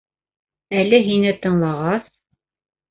Әле һине тыңлағас...